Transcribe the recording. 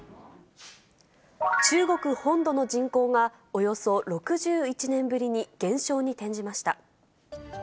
中国本土の人口が、およそ６１年ぶりに減少に転じました。